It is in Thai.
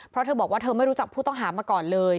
เพราะเธอบอกว่าเธอไม่รู้จักผู้ต้องหามาก่อนเลย